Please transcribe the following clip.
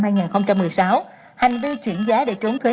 hành vi chuyển giá để trốn thuế